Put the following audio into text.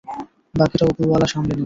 বাকিটা ওপরওয়ালা সামলে নিবে।